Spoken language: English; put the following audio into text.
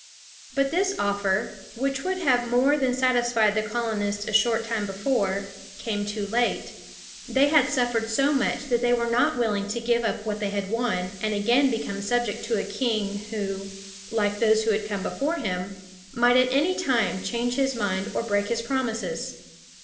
But this offer, which would have more than satisfied the colonists a short time before, came too late. They had suffered so much that they were not willing to give up what they had won and again become subject to a king who, like those who had come before him, might at any time change his mind or break his promises.